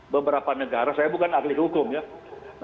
beberapa negara saya bukan ahli hukum ya